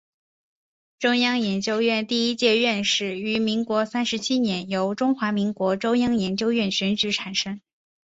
中央研究院第一届院士于民国三十七年由中华民国中央研究院选举产生。